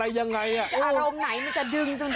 วิทยาลัยศาสตร์อัศวิทยาลัยศาสตร์